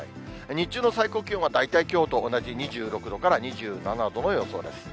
日中の最高気温は大体きょうと同じ２６度から２７度の予想です。